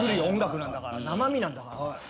音楽なんだから生身なんだから。